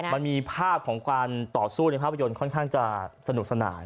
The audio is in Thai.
มันมีภาพของการต่อสู้ในภาพยนตร์ค่อนข้างจะสนุกสนาน